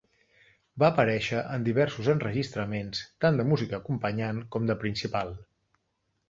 Va aparèixer en diversos enregistraments, tant de músic acompanyant com de principal.